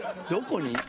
どこに？